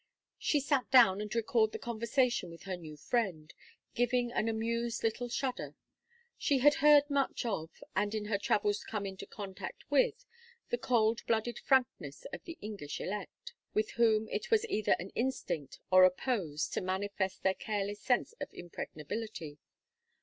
She sat down and recalled the conversation with her new friend, giving an amused little shudder. She had heard much of, and in her travels come into contact with, the cold blooded frankness of the English elect; with whom it was either an instinct or a pose to manifest their careless sense of impregnability.